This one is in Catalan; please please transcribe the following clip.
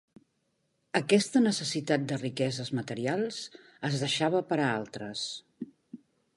Aquesta necessitat de riqueses materials es deixava per a altres.